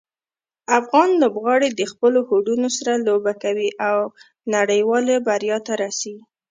افغان لوبغاړي د خپلو هوډونو سره لوبه کوي او نړیوالې بریا ته رسي.